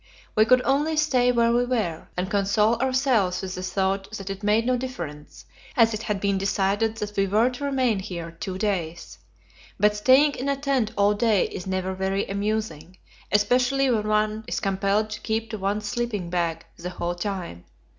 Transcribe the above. We could only stay where we were, and console ourselves with the thought that it made no difference, as it had been decided that we were to remain here two days. But staying in a tent all day is never very amusing, especially when one is compelled to keep to one's sleeping bag the whole time.